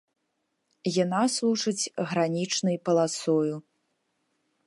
Яна служыць гранічнай паласою.